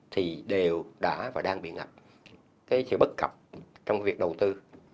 thì đều đã và đang bị ngập cái sự bất cập trong việc đầu tư